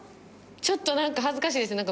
ちょっとなんか恥ずかしいですね。